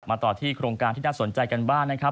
ต่อที่โครงการที่น่าสนใจกันบ้างนะครับ